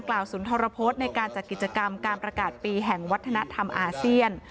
ศูนย์ธรพฤษในการจัดกิจกรรมการประกาศปีแห่งวัฒนธรรมอาเซียน